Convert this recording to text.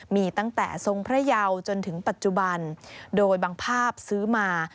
มีตั้งแต่ทรงพระเยาจนถึงปัจจุบันโดยบางภาพซื้อมา